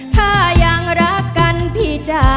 ถ้ายังรักกันพี่จ๋า